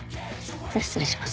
じゃ失礼します。